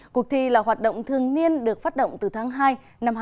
cuộc thi là hoạt động thường niên được phát động từ tháng hai năm hai nghìn hai mươi